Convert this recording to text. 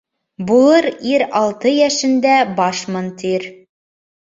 Булыр ир алты йәшендә башмын, тир